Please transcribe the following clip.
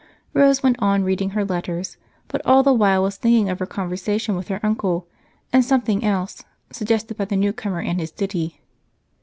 Rose went on reading her letters, but all the while was thinking of her conversation with her uncle as well as something else suggested by the newcomer and his ditty.